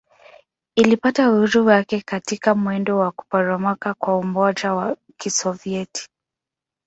Ilipata uhuru wake katika mwendo wa kuporomoka kwa Umoja wa Kisovyeti.